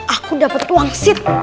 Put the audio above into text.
aku dapet uang sit